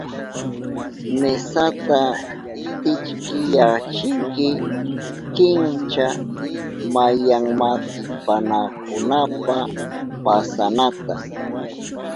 Mesata kichkiyachinki kincha mayanmaatipanankunapa pasanata.